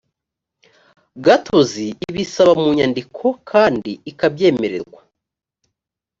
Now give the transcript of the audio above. gatozi ibisaba mu nyandiko kandi ikabyemererwa